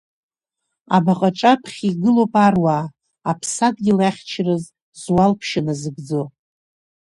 Абаҟа аҿаԥхьа игылоуп аруаа аԥсадгьыл ахьчараз зуалԥшьа назыгӡо.